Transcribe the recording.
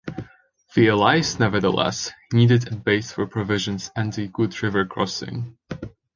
The Allies, nevertheless, needed a base for provisions and a good river crossing.